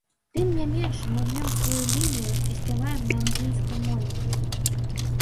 Тым не менш, мы гнем сваю лінію і спяваем на англійскай мове.